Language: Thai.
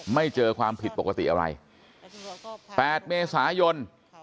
ไม่เจอความผิดปกติอะไร๘เมษายน